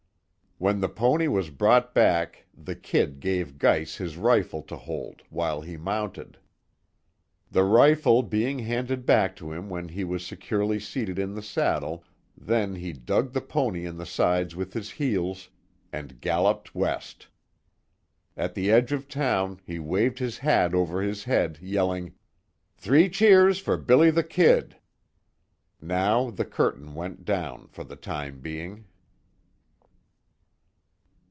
When the pony was brought back the "Kid" gave Geiss his rifle to hold, while he mounted. The rifle being handed back to him when he was securely seated in the saddle, then he dug the pony in the sides with his heels, and galloped west. At the edge of town he waved his hat over his head, yelling: "Three cheers for Billy the Kid!" Now the curtain went down, for the time being.